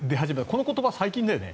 この言葉、最近だよね。